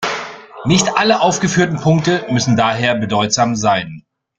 Nicht alle aufgeführten Punkte müssen daher bedeutsam sein.